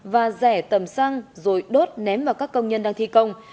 và rẻ tầm xăng rồi đốt ném vào các công nhân đang thi công